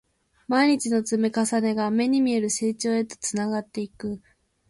毎日の積み重ねが、目に見える成長へとつながっていく